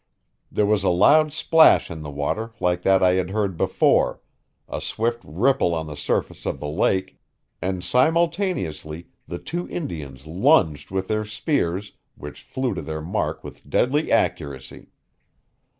There was a loud splash in the water like that I had heard before, a swift ripple on the surface of the lake, and simultaneously the two Indians lunged with their spears, which flew to their mark with deadly accuracy.